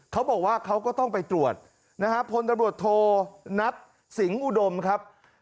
เขาบอกว่าเขาก็ต้องไปตรวจนะฮะพลตำรวจโทนัทสิงห์อุดมครับ